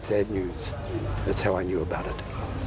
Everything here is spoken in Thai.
สันติภาพที่เกิดขึ้นกว่านี้